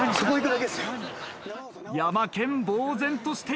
ヤマケンぼう然としています。